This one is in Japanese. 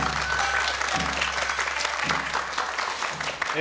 え